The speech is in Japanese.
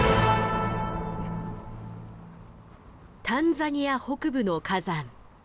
タンザニア北部の火山。